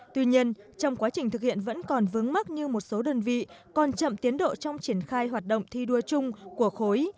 tuy nhiên trong quá trình thực hiện vẫn còn vướng mắt như một số đơn vị còn chậm tiến độ trong triển khai hoạt động thi đua chung của khối